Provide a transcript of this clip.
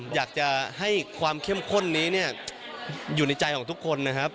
อยากจะให้ความเข้มข้นนี้เนี่ยอยู่ในใจของทุกคนนะครับ